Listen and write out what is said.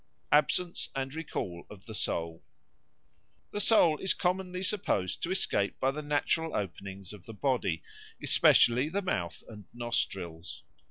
Absence and Recall of the Soul THE SOUL is commonly supposed to escape by the natural openings of the body, especially the mouth and nostrils.